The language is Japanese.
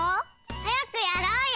はやくやろうよ！